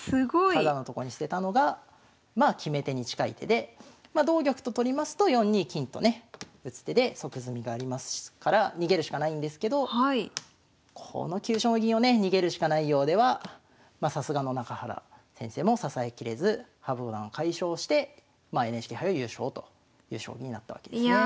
タダのとこに捨てたのがまあ決め手に近い手で同玉と取りますと４二金とね打つ手で即詰みがありますから逃げるしかないんですけどこの急所の銀をね逃げるしかないようではさすがの中原先生も支えきれず羽生五段快勝してＮＨＫ杯を優勝という将棋になったわけですね。